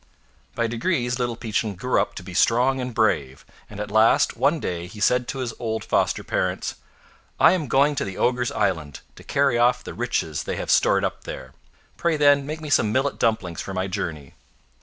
By degrees Little Peachling grew up to be strong and brave, and at last one day he said to his old foster parents— "I am going to the ogres' island, to carry off the riches they have stored up there. Pray, then, make me some millet dumplings for my journey."